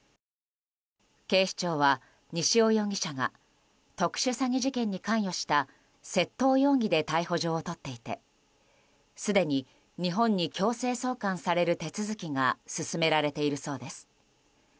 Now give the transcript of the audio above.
警視庁は西尾容疑者が特殊詐欺事件に関与した窃盗容疑で逮捕状を取っていてすでに日本に強制送還される手続きが進められているそうです。